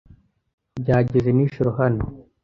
Byageze nijoro hano